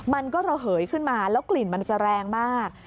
มันก็ระเหยขึ้นมาแล้วกลิ่นมันจะแรงมาก